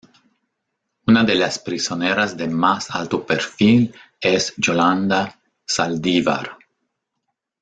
Una de las prisioneras de más alto perfil es Yolanda Saldívar.